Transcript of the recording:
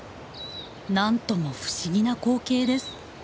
なんとも不思議な光景です。